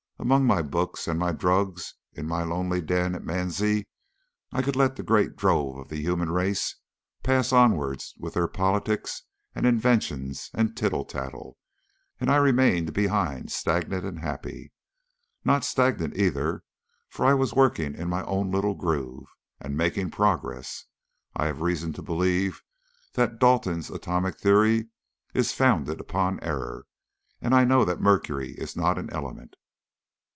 Among my books and my drugs in my lonely den at Mansie I could let the great drove of the human race pass onwards with their politics and inventions and tittle tattle, and I remained behind stagnant and happy. Not stagnant either, for I was working in my own little groove, and making progress. I have reason to believe that Dalton's atomic theory is founded upon error, and I know that mercury is not an element.